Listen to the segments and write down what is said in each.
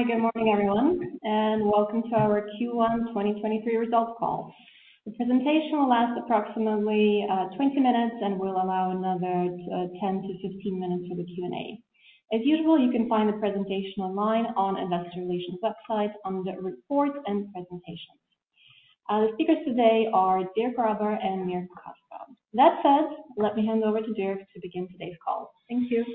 Hi, good morning, everyone, and welcome to our Q1 2023 results call. The presentation will last approximately, 20 minutes, and we'll allow another 10-15 minutes for the Q&A. As usual, you can find the presentation online on Investor Relations website under Reports and Presentations. The speakers today are Dirk Graber and Mirko Caspar. That said, let me hand over to Dirk to begin today's call. Thank you.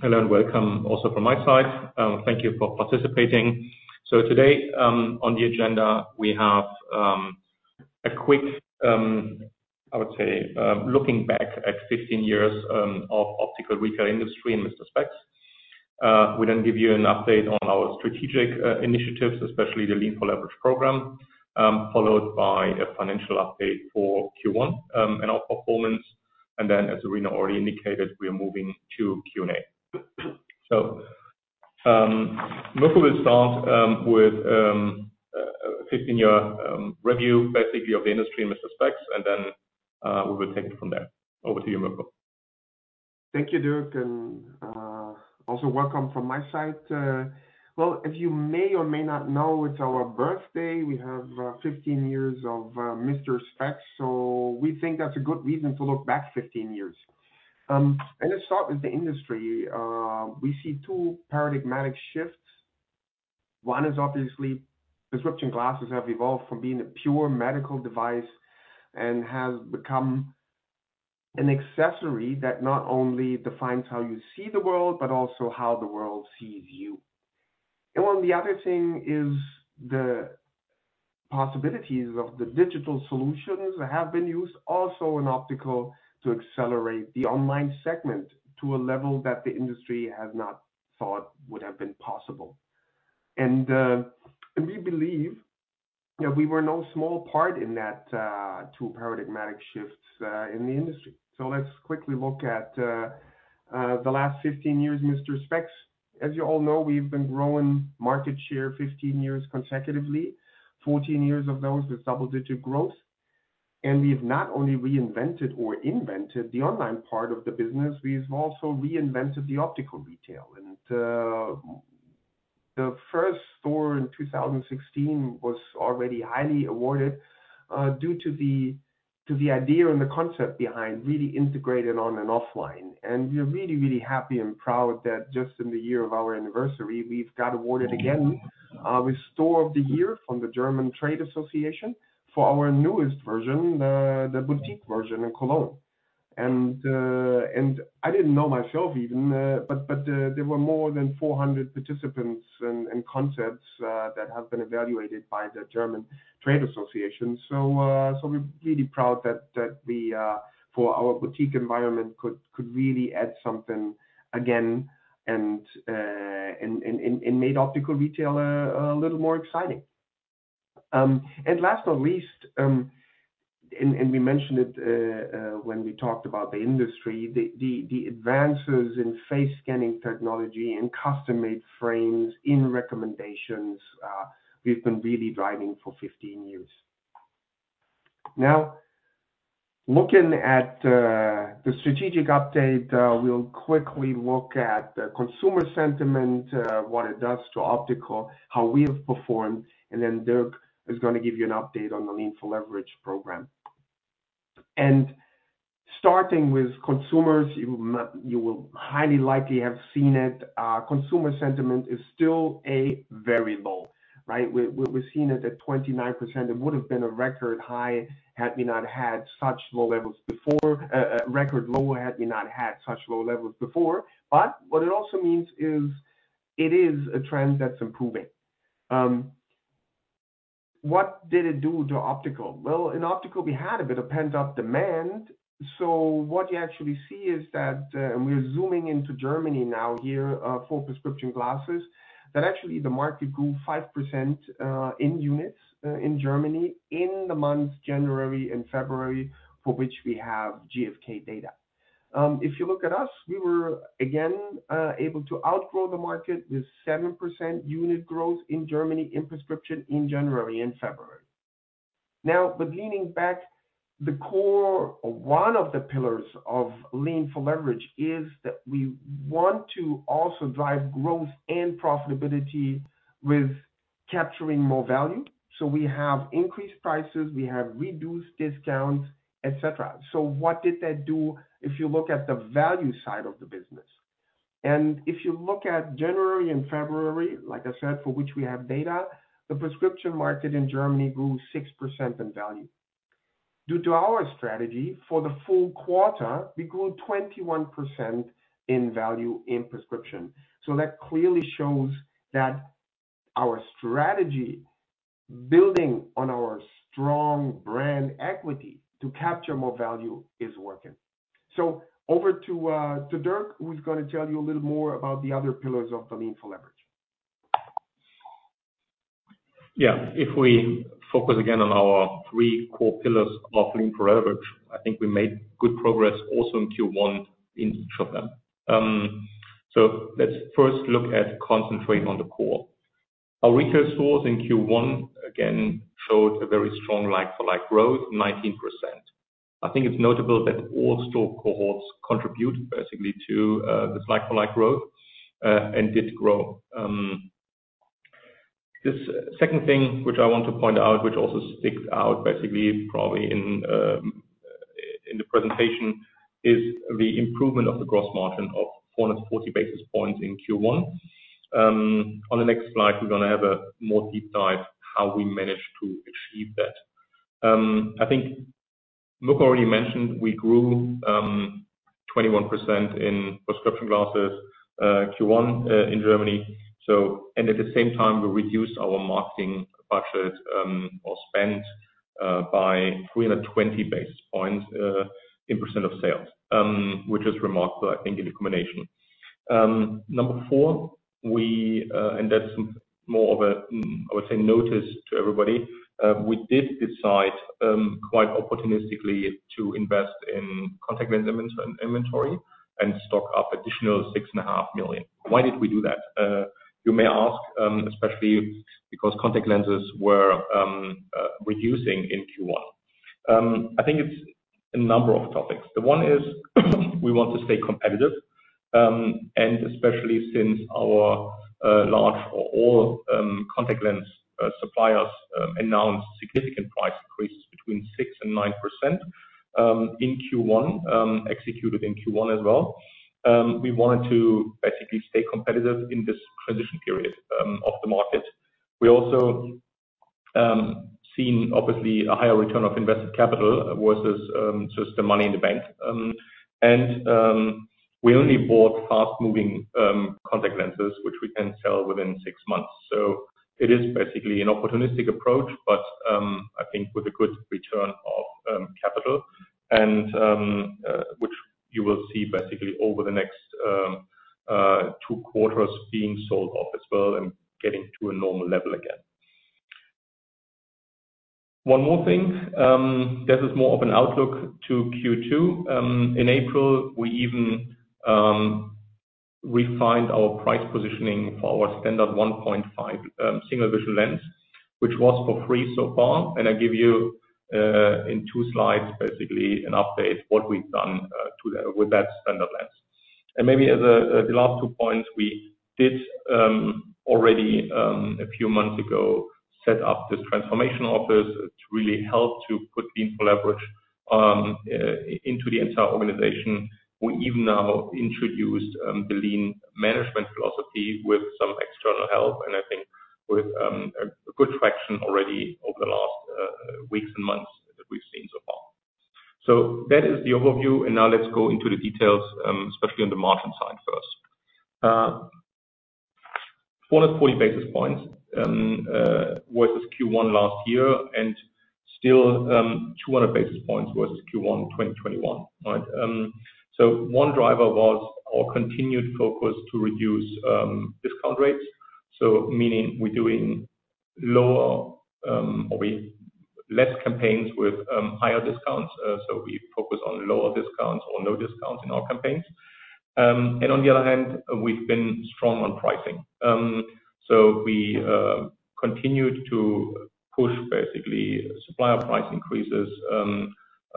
Hello and welcome also from my side. Thank you for participating. Today, on the agenda, we have a quick, I would say, looking back at 15 years of optical retail industry in Mister Spex. We then give you an update on our strategic initiatives, especially the Lean 4 Leverage program, followed by a financial update for Q1 and our performance. Then, as Irina already indicated, we are moving to Q&A. Mirko will start with a 15-year review, basically, of the industry in Mister Spex, and then we will take it from there. Over to you, Mirko. Thank you, Dirk, also welcome from my side. Well, as you may or may not know, it's our birthday. We have 15 years of Mister Spex, we think that's a good reason to look back 15 years. Let's start with the industry. We see two paradigmatic shifts. One is obviously prescription glasses have evolved from being a pure medical device and have become an accessory that not only defines how you see the world, but also how the world sees you. Well, the other thing is the possibilities of the digital solutions that have been used, also in optical, to accelerate the online segment to a level that the industry has not thought would have been possible. We believe that we were no small part in that, two paradigmatic shifts in the industry. Let's quickly look at the last 15 years, Mister Spex. As you all know, we've been growing market share 15 years consecutively, 14 years of those with double-digit growth. We've not only reinvented or invented the online part of the business, we've also reinvented the optical retail. The first store in 2016 was already highly awarded due to the idea and the concept behind really integrated on and offline. We're really, really happy and proud that just in the year of our anniversary, we've got awarded again with Store of the Year from the German Trade Association for our newest version, the Boutique version in Cologne. I didn't know myself, even, but there were more than 400 participants and concepts that have been evaluated by the German Trade Association. We're really proud that we for our Boutique environment could really add something again and made optical retail a little more exciting. Last but not least, and we mentioned it when we talked about the industry, the advances in face scanning technology and custom-made frames in recommendations, we've been really driving for 15 years. Now, looking at the strategic update, we'll quickly look at the consumer sentiment, what it does to optical, how we have performed, and then Dirk is gonna give you an update on the Lean 4 Leverage program. Starting with consumers, you will highly likely have seen it. Consumer sentiment is still a variable, right? We're seeing it at 29%. It would have been a record high had we not had such low levels before, a record low had we not had such low levels before. What it also means is it is a trend that's improving. What did it do to optical? Well, in optical, we had a bit of pent-up demand. What you actually see is that, and we're zooming into Germany now here, for prescription glasses, that actually the market grew 5% in units in Germany in the months January and February, for which we have GfK data. If you look at us, we were again able to outgrow the market with 7% unit growth in Germany in prescription in January and February. Leaning back, the core or one of the pillars of Lean 4 Leverage is that we want to also drive growth and profitability with capturing more value. We have increased prices, we have reduced discounts, et cetera. What did that do if you look at the value side of the business? If you look at January and February, like I said, for which we have data, the prescription market in Germany grew 6% in value. Due to our strategy, for the full quarter, we grew 21% in value in prescription. That clearly shows that our strategy, building on our strong brand equity to capture more value is working. Over to Dirk, who's gonna tell you a little more about the other pillars of the Lean 4 Leverage. Yeah. If we focus again on our three core pillars of Lean 4 Leverage, I think we made good progress also in Q1 in each of them. Let's first look at concentrating on the core. Our retail stores in Q1 again showed a very strong like-for-like growth 19%. I think it's notable that all store cohorts contribute basically to this like-for-like growth and did grow. The second thing which I want to point out, which also sticks out, basically probably in the presentation, is the improvement of the gross margin of 440 basis points in Q1. On the next slide, we're gonna have a more deep dive how we managed to achieve that. I think Mirko already mentioned we grew 21% in prescription glasses, Q1, in Germany. At the same time, we reduced our marketing budget, or spend, by 320 basis points in percent of sales, which is remarkable, I think, in combination. Number four, that's more of a, I would say, notice to everybody. We did decide, quite opportunistically, to invest in contact lens inventory and stock up additional 6.5 million. Why did we do that? You may ask, especially because contact lenses were reducing in Q1. I think it's a number of topics. The one is we want to stay competitive, and especially since our large or all contact lens suppliers announced significant price increases between 6%-9% in Q1, executed in Q1 as well. We wanted to basically stay competitive in this transition period of the market. We also seen obviously a higher return of invested capital versus just the money in the bank. We only bought fast-moving contact lenses, which we can sell within 6 months. It is basically an opportunistic approach, but I think with a good return of capital, and which you will see basically over the next 2 quarters being sold off as well and getting to a normal level again. One more thing, that is more of an outlook to Q2. In April, we even refined our price positioning for our standard 1.5 single vision lens, which was for free so far. I give you in two slides, basically an update what we've done with that standard lens. Maybe as the last two points we did already a few months ago, set up this transformation office to really help to put Lean 4 Leverage into the entire organization. We even now introduced the lean management philosophy with some external help, and I think with a good traction already over the last weeks and months that we've seen so far. That is the overview, and now let's go into the details, especially on the margin side first. 440 basis points versus Q1 last year and still 200 basis points versus Q1 2021, right? One driver was our continued focus to reduce discount rates. Meaning we're doing lower, or we less campaigns with higher discounts. We focus on lower discounts or no discounts in our campaigns. On the other hand, we've been strong on pricing. We continued to push basically supplier price increases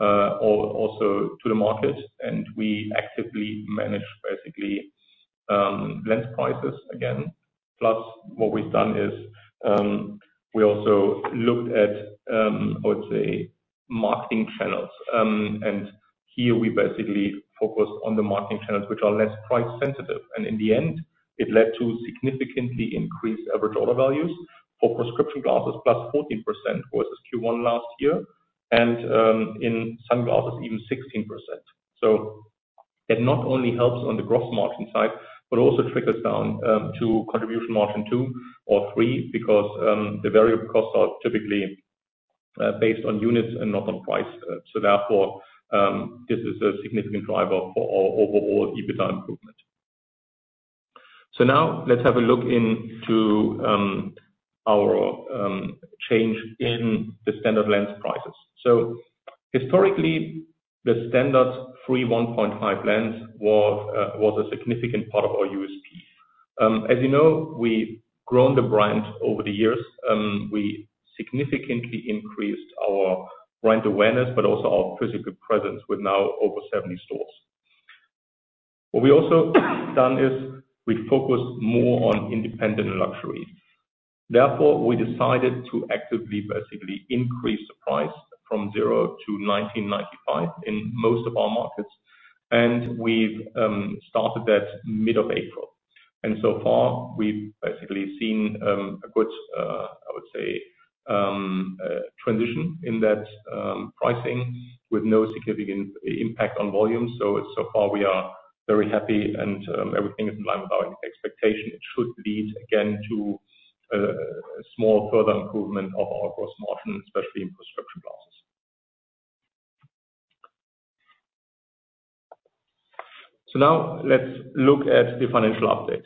also to the market, and we actively managed basically lens prices again. Plus, what we've done is, we also looked at, I would say, marketing channels. Here, we basically focused on the marketing channels, which are less price sensitive. In the end, it led to significantly increased average order values for prescription glasses, plus 14% versus Q1 last year, and in sunglasses, even 16%. It not only helps on the gross margin side, but also trickles down to contribution margin 2 or 3 because the variable costs are typically based on units and not on price. Therefore, this is a significant driver for our overall EBITDA improvement. Now let's have a look into our change in the standard lens prices. Historically, the standard free 1.5 lens was a significant part of our USP. As you know, we've grown the brand over the years. We significantly increased our brand awareness, but also our physical presence with now over 70 stores. What we also done is we focused more on independent luxury. Therefore, we decided to actively, basically increase the price from 0 to 19.95 in most of our markets. We've started that mid of April. So far we've basically seen a good, I would say, transition in that pricing with no significant impact on volume. So far we are very happy, and everything is in line with our expectation. It should lead again to a small further improvement of our gross margin, especially in prescription glasses. Now let's look at the financial update.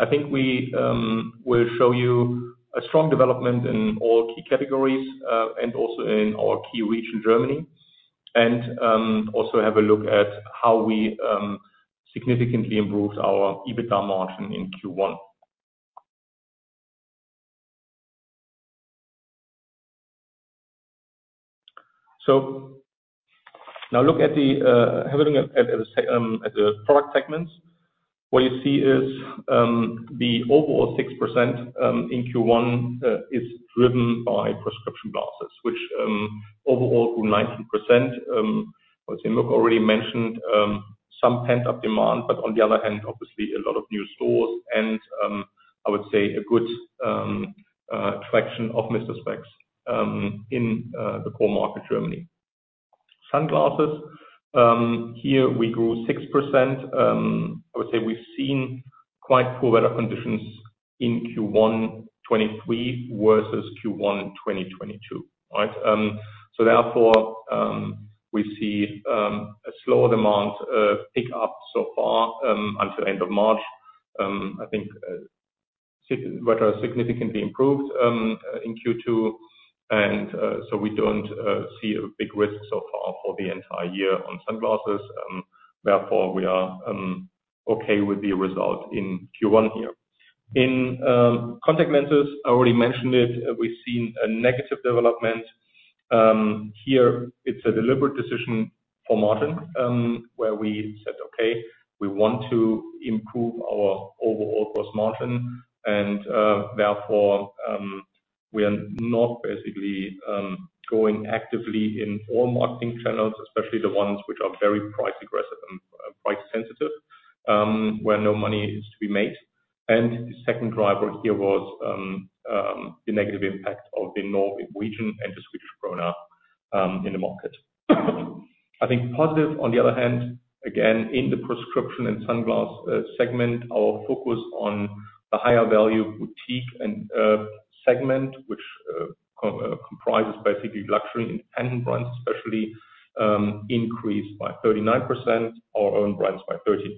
I think we'll show you a strong development in all key categories and also in our key region, Germany. Also, have a look at how we significantly improved our EBITDA margin in Q1. Now look at the having a look at the product segments. What you see is the overall 6% in Q1 is driven by prescription glasses, which overall grew 19%, as Mirko already mentioned, some pent-up demand, but on the other hand, obviously, a lot of new stores and I would say a good fraction of Mister Spex in the core market, Germany. Sunglasses, here we grew 6%. I would say we've seen quite poor weather conditions in Q1 2023 versus Q1 in 2022. All right? Therefore, we see a slower demand pick up so far until end of March. I think whether significantly improved in Q2. We don't see a big risk so far for the entire year on sunglasses, therefore, we are okay with the result in Q1 here. In contact lenses, I already mentioned it, we've seen a negative development. Here, it's a deliberate decision for margin, where we said, "Okay, we want to improve our overall gross margin," therefore, we are not basically going actively in all marketing channels, especially the ones which are very price aggressive and price sensitive, where no money is to be made. The second driver here was the negative impact of the Norwegian and the Swedish krona in the market. I think positive, on the other hand, again, in the prescription and sunglass segment, our focus on the higher value Boutique and segment, which comprises basically luxury and independent brands, especially, increased by 39%, our Own Brands by 13%.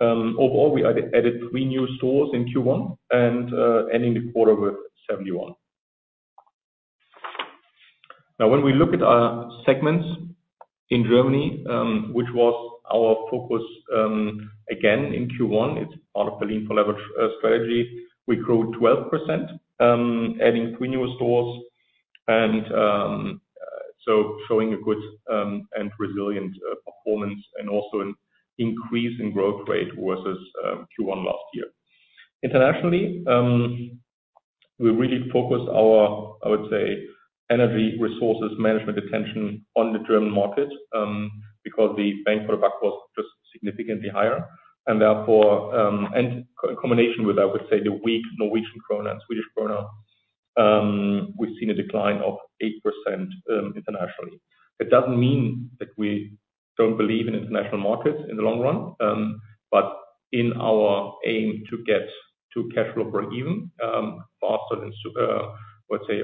Overall, we added three new stores in Q1 and ending the quarter with 71. When we look at our segments in Germany, which was our focus again in Q1, it's part of the Lean 4 Leverage strategy. We grew 12%, adding three new stores, and so showing a good and resilient performance, and also an increase in growth rate versus Q1 last year. Internationally, we really focused our, I would say, energy resources management attention on the German market because the bang for the buck was just significantly higher. Therefore, in combination with, I would say, the weak Norwegian krona and Swedish krona, we've seen a decline of 8% internationally. It doesn't mean that we don't believe in international markets in the long run, but in our aim to get to cash flow break-even faster than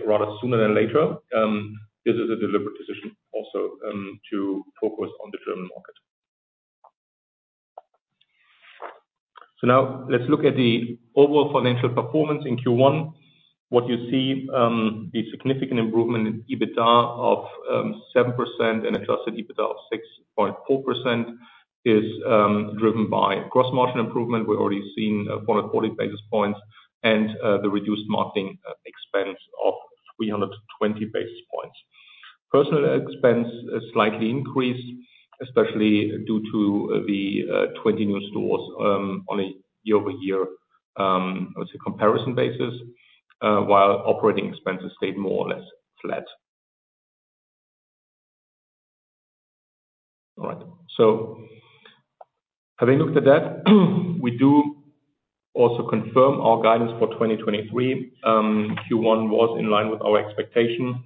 rather sooner than later, this is a deliberate decision also to focus on the German market. Now let's look at the overall financial performance in Q1. What you see, the significant improvement in EBITDA of 7% and adjusted EBITDA of 6.4% is driven by gross margin improvement. We're already seeing 440 basis points and the reduced marketing expense of 320 basis points. Personnel expense is slightly increased, especially due to the 20 new stores on a year-over-year, I would say comparison basis, while operating expenses stayed more or less flat. All right. Having looked at that, we do also confirm our guidance for 2023. Q1 was in line with our expectation.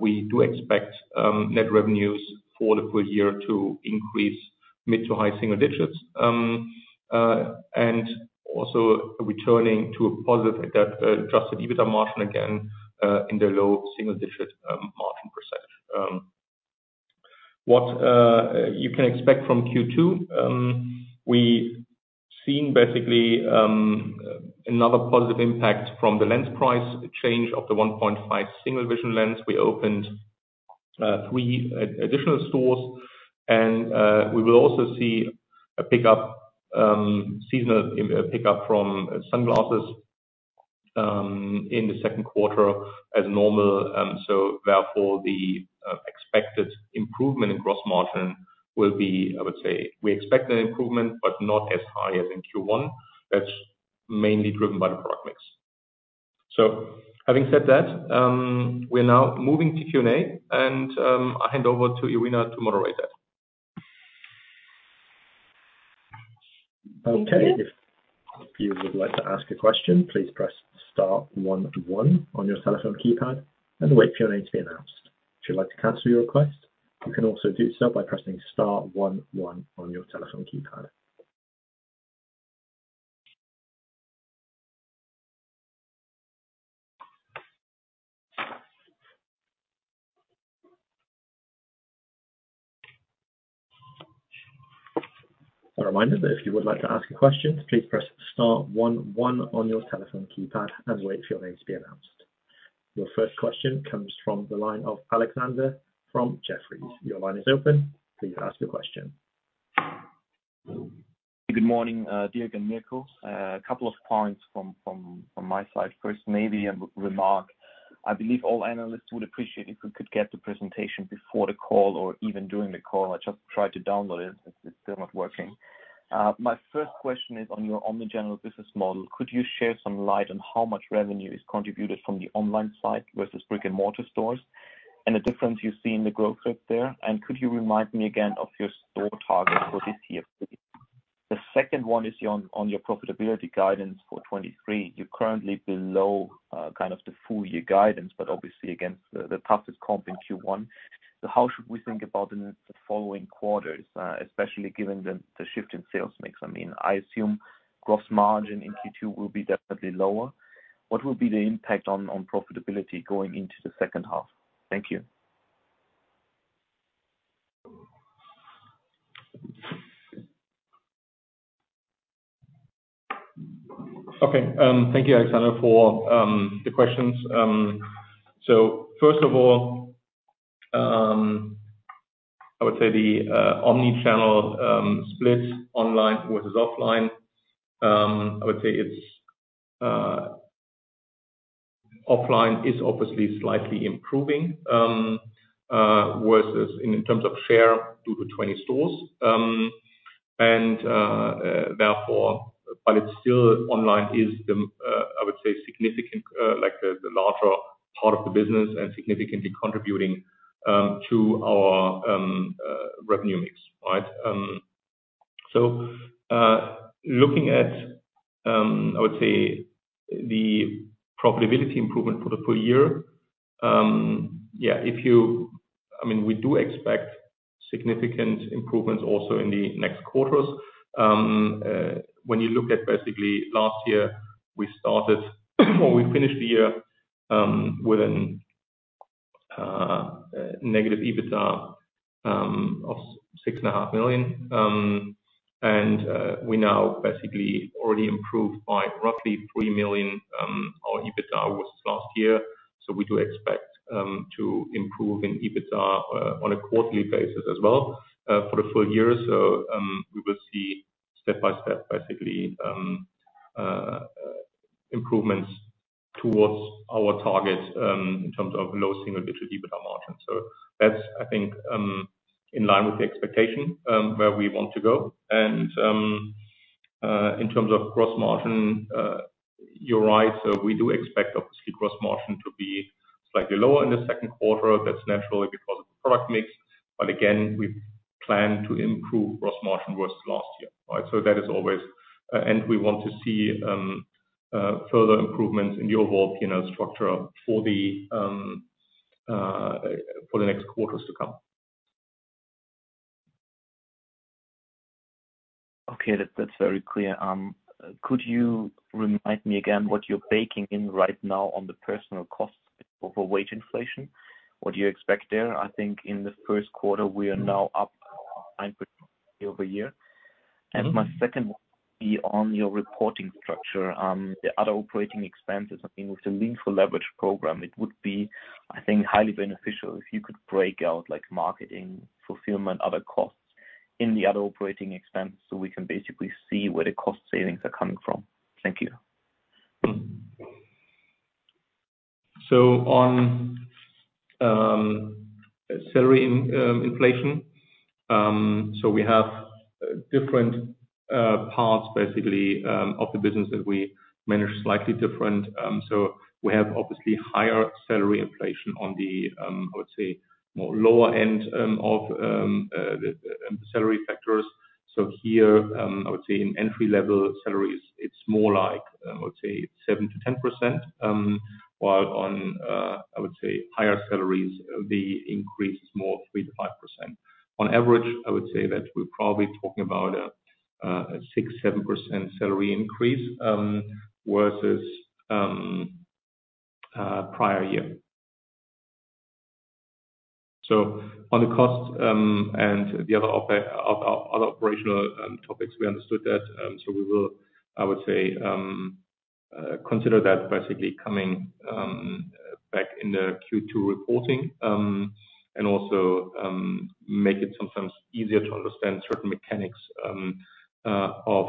We do expect net revenues for the full year to increase mid to high single digits. And also returning to a positive adjusted EBITDA margin again in the low single-digit margin percentage. What you can expect from Q2, we've seen basically another positive impact from the lens price change of the 1.5 single vision lens. We opened three additional stores, and we will also see a pickup, seasonal pickup from sunglasses in the second quarter as normal. Therefore, the expected improvement in gross margin will be, I would say we expect an improvement, but not as high as in Q1. That's mainly driven by the product mix. Having said that, we're now moving to Q&A, and I hand over to Irina to moderate that. Okay. If you would like to ask a question, please press star one one on your telephone keypad and wait for your name to be announced. If you'd like to cancel your request, you can also do so by pressing star one one on your telephone keypad. A reminder that if you would like to ask a question, please press star one one on your telephone keypad and wait for your name to be announced. Your first question comes from the line of Alexander from Jefferies. Your line is open. Please ask your question. Good morning, Dirk and Mirko. A couple of points from my side. First, maybe a remark. I believe all analysts would appreciate if we could get the presentation before the call or even during the call. I just tried to download it. It's still not working. My first question is on your omnichannel business model. Could you share some light on how much revenue is contributed from the online side versus brick-and-mortar stores, and the difference you see in the growth rate there? Could you remind me again of your store target for this year, please? The second one is on your profitability guidance for 23. You're currently below kind of the full year guidance, but obviously against the toughest comp in Q1. How should we think about in the following quarters, especially given the shift in sales mix? I mean, I assume gross margin in Q2 will be definitely lower. What will be the impact on profitability going into the second half? Thank you. Okay. Thank you, Alexander, for the questions. First of all, I would say the omnichannel split online versus offline. Offline is obviously slightly improving versus in terms of share due to 20 stores. It's still online is the I would say significant, like the larger part of the business and significantly contributing to our revenue mix, right? Looking at, I would say the profitability improvement for the full year. Yeah. I mean, we do expect significant improvements also in the next quarters. When you look at basically last year, we started or we finished the year with an negative EBITDA of 6.5 million. We now basically already improved by roughly 3 million our EBITDA versus last year. We do expect to improve in EBITDA on a quarterly basis as well for the full year. We will see step-by-step, basically, improvements towards our targets in terms of low single-digit EBITDA margin. That's, I think, in line with the expectation where we want to go. In terms of gross margin, you're right. We do expect obviously gross margin to be slightly lower in the second quarter. That's naturally because of the product mix. Again, we plan to improve gross margin versus last year, right? That is always... We want to see further improvements in the overall P&L structure for the next quarters to come. Okay. That's very clear. Could you remind me again what you're baking in right now on the personal costs over wage inflation? What do you expect there? I think in the first quarter, we are now up 9% year-over-year. My second would be on your reporting structure, the other operating expenses. I mean, with the Lean 4 Leverage program, it would be, I think, highly beneficial if you could break out like marketing, fulfillment, other costs in the other operating expense, so we can basically see where the cost savings are coming from. Thank you. On salary inflation, we have different parts basically of the business that we manage slightly different. We have obviously higher salary inflation on the I would say more lower end of the salary factors. Here, I would say in entry-level salaries, it's more like I would say 7%-10%, while on I would say higher salaries, the increase is more 3%-5%. On average, I would say that we're probably talking about a 6%-7% salary increase versus prior year. On the cost and the other operational topics, we understood that. We will, I would say, consider that basically coming back in the Q2 reporting, and also make it sometimes easier to understand certain mechanics of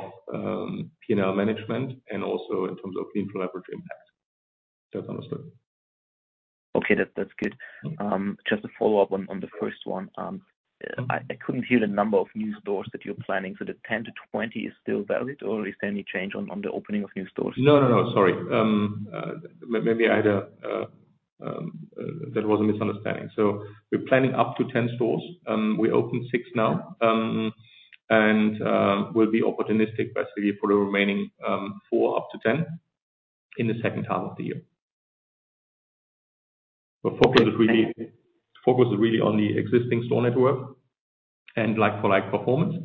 P&L management and also in terms of Lean 4 Leverage impact. That's understood. Okay. That's good. just a follow-up on the first one. I couldn't hear the number of new stores that you're planning. The 10-20 is still valid, or is there any change on the opening of new stores? No, no. Sorry. maybe I had a that was a misunderstanding. We're planning up to 10 stores. We opened 6 now. We'll be opportunistic basically, for the remaining 4 up to 10 in the second half of the year. The focus is really. Okay, thank you. The focus is really on the existing store network and like-for-like performance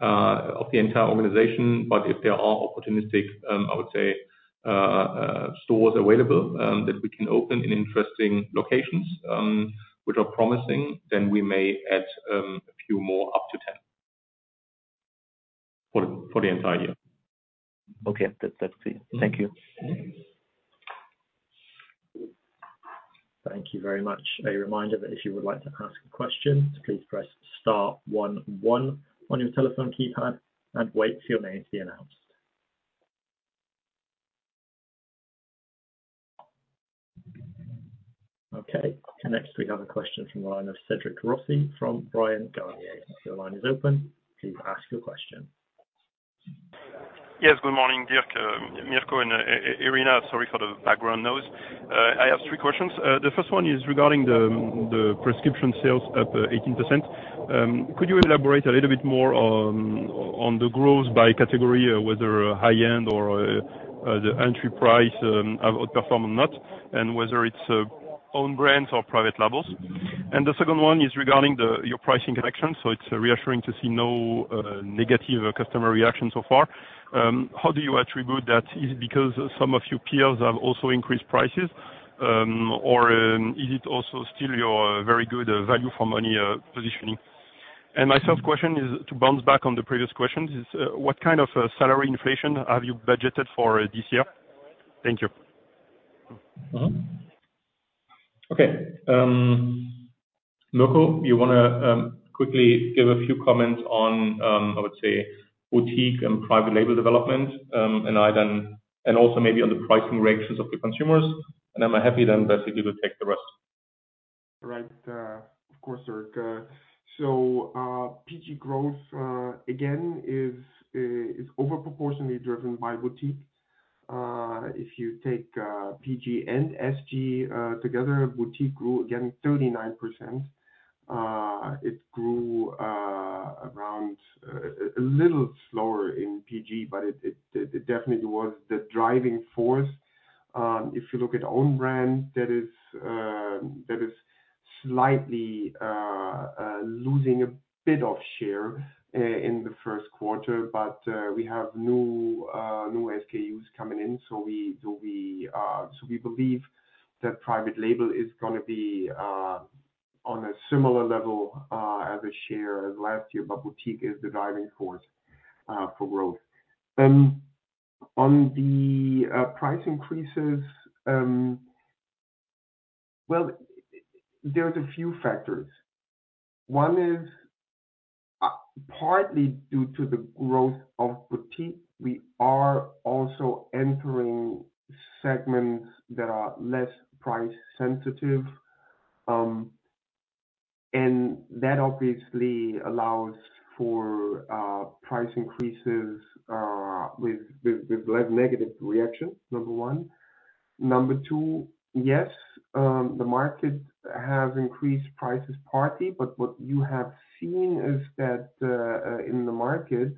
of the entire organization. If there are opportunistic, I would say, stores available that we can open in interesting locations, which are promising, then we may add a few more, up to 10, for the entire year. Okay. That's clear. Thank you. Thank you very much. A reminder that if you would like to ask a question, please press star one one on your telephone keypad and wait for your name to be announced. Next, we have a question from the line of Cédric Rossi from Bryan Garnier. Your line is open. Please ask your question. Good morning, Dirk, Mirko, and Irina. Sorry for the background noise. I have three questions. The first one is regarding the prescription sales up 18%. Could you elaborate a little bit more on the growth by category, whether high-end or the entry price have outperformed or not, and whether it's Own Brands or private labels? The second one is regarding your pricing connections. It's reassuring to see no negative customer reaction so far. How do you attribute that? Is it because some of your peers have also increased prices, or is it also still your very good value for money positioning? My third question is to bounce back on the previous questions is, what kind of salary inflation have you budgeted for this year? Thank you. Mirco, you wanna quickly give a few comments on, I would say, Boutique and private label development. Also, maybe on the pricing reactions of the consumers, and I'm happy then basically we'll take the rest. Right. Of course, Dirk. PG growth again is overproportionally driven by Boutique. If you take PG and SG together, Boutique grew again 39%. It grew around a little slower in PG, but it definitely was the driving force. If you look at Own Brand, that is that is slightly losing a bit of share in the first quarter, but we have new SKUs coming in. We believe that private label is gonna be on a similar level as a share as last year, but Boutique is the driving force for growth. On the price increases, well, there's a few factors. One is partly due to the growth of Boutique, we are also entering segments that are less price sensitive, that obviously allows for price increases with less negative reaction, number 1. Number 2, yes, the market has increased prices partly, what you have seen is that in the market,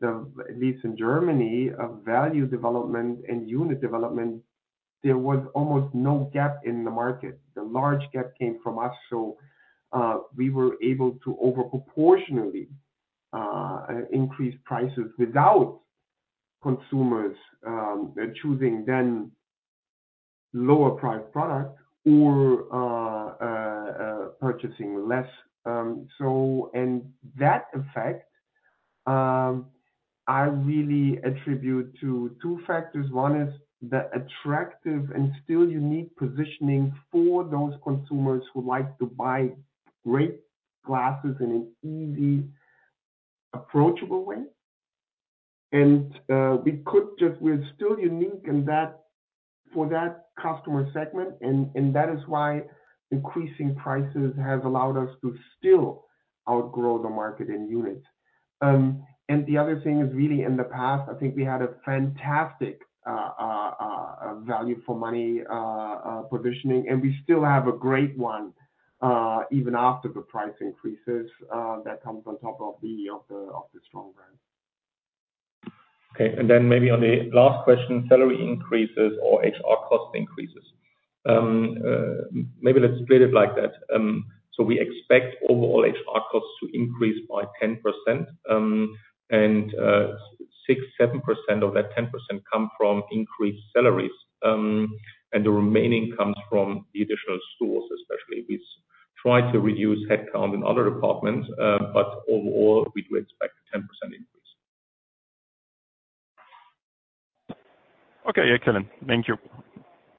the, at least in Germany, value development and unit development, there was almost no gap in the market. The large gap came from us, we were able to over proportionally increase prices without consumers choosing then lower priced product or purchasing less. That effect I really attribute to 2 factors. One is the attractive and still unique positioning for those consumers who like to buy great glasses in an easy, approachable way. We're still unique for that customer segment, and that is why increasing prices have allowed us to still outgrow the market in units. The other thing is really in the past, I think we had a fantastic value for money positioning, and we still have a great one even after the price increases that comes on top of the strong brand. Okay. Maybe on the last question, salary increases or HR cost increases. Maybe let's split it like that. We expect overall HR costs to increase by 10%, 6%, 7% of that 10% come from increased salaries, the remaining comes from the additional stores, especially. We try to reduce headcount in other departments; overall, we do expect a 10% increase. Okay. You are killing, thank you.